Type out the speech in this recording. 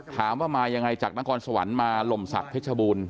ถามว่ามายังไงจากนครสวรรค์มาลมศักดิ์เพชรบูรณ์